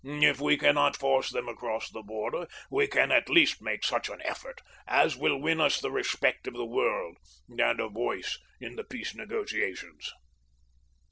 If we cannot force them across the border we can at least make such an effort as will win us the respect of the world and a voice in the peace negotiations.